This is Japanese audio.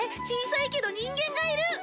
小さいけど人間がいる